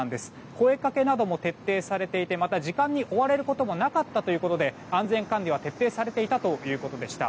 声掛けなども徹底されていてまた、時間に追われることもなかったということで安全管理は徹底されていたということでした。